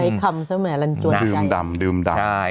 ใส่คำเสมอลันจวนใจ